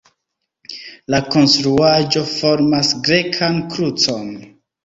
La konstruaĵo formas grekan krucon.